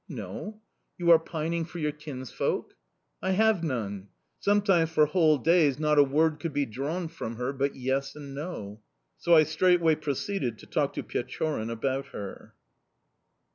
"'No!' "'You are pining for your kinsfolk?' "'I have none!' "Sometimes for whole days not a word could be drawn from her but 'Yes' and 'No.' "So I straightway proceeded to talk to Pechorin about her."